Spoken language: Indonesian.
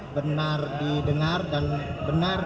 benar didengar dan benar